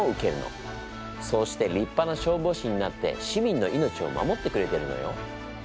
そうしてりっぱな消防士になって市民の命を守ってくれてるのよ。